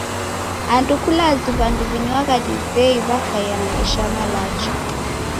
Andu kulazi w'andu w'inywagha divei w'akaia na maisha malacha.